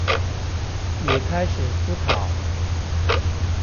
也開始思考